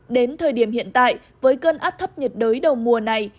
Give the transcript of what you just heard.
đến thời điểm hiện tại với cơn áp thấp nhiệt đới đầu mùa này